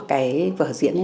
cái vở diện